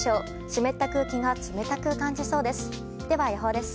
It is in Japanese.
湿った空気が冷たく感じそうです。